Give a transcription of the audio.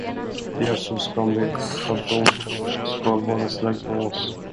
Det är så skamligt, att de skall vara släkt med oss.